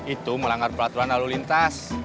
itu melanggar peraturan lalu lintas